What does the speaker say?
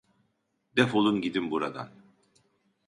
Defolun gidin buradan!